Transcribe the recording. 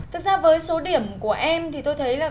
thực ra với số điểm của em thì tôi thấy là